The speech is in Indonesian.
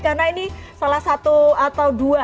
karena ini salah satu atau dua